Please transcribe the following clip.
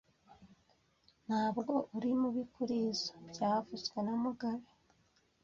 Ntabwo uri mubi kurizoi byavuzwe na mugabe